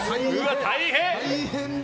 大変！